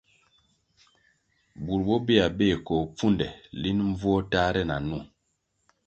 Burʼ bobehya beh koh pfunde linʼ mbvuo tahre na nwo,